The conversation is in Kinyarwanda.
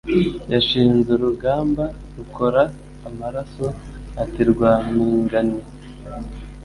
yanshinze urugamba rukora amaraso, ati Rwampingane!